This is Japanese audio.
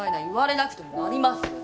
言われなくてもなります。